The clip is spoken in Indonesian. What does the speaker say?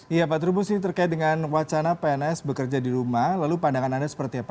iya pak trubus ini terkait dengan wacana pns bekerja di rumah lalu pandangan anda seperti apa